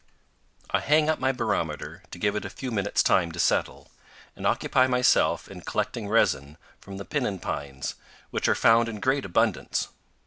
I hang up my barometer to give it a few minutes' time to settle, and occupy myself in collecting resin from the piñón pines, which are found in great abundance.